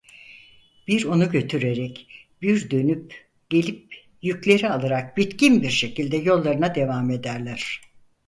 Bir onu götürerek bir dönüp gelip yükleri alarak bitkin bir şekilde yollarına devam ederler.